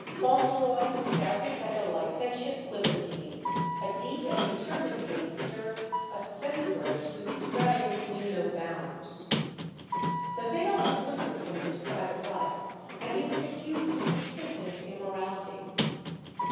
Fauntleroy was scouted as a [Illustration: FAUNTLEROY IN THE DOCK.] licentious libertine, a deep and determined gamester, a spendthrift whose extravagance knew no bounds. The veil was lifted from his private life, and he was accused of persistent immorality.